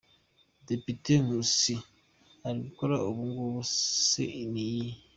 Depite Nkusi: Iri gukora ubu ngubu se ni iyihe?